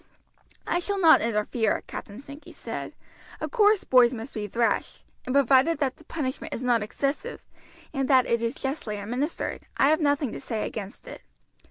"I shall not interfere," Captain Sankey said. "Of course boys must be thrashed, and provided that the punishment is not excessive, and that it is justly administered, I have nothing to say against it.